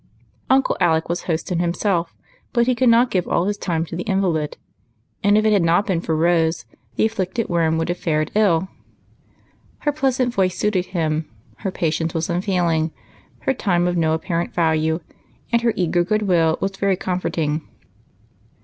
Uncle Alec was a host in himself, but he could not give all his time to the invalid ; and if it had not been for Rose, the afflicted Worm would have fared ill. Her pleasant voice suited him, her patience was unfail ing, her time of no apparent value, and her eager good will was very comforting.